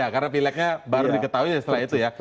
karena pileknya baru diketahui setelah itu ya